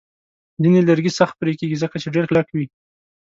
ځینې لرګي سخت پرې کېږي، ځکه چې ډیر کلک وي.